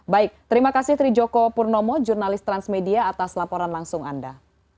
baik terima kasih trijoko purnomo jurnalis transmedia atas laporan langsung anda